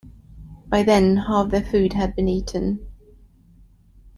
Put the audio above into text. By then half their food had been eaten.